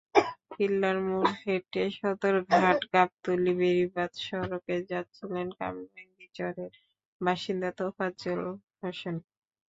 কিল্লার মোড় থেকে হেঁটে সদরঘাট-গাবতলী বেড়িবাঁধ সড়কে যাচ্ছিলেন কামরাঙ্গীরচরের বাসিন্দা তোফাজ্জল হোসেন।